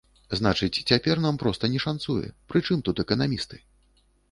Значыць, цяпер нам проста не шанцуе, прычым тут эканамісты?